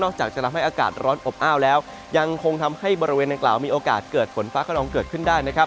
จากจะทำให้อากาศร้อนอบอ้าวแล้วยังคงทำให้บริเวณดังกล่าวมีโอกาสเกิดฝนฟ้าขนองเกิดขึ้นได้นะครับ